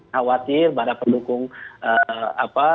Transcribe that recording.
khawatir pada pendukung pkn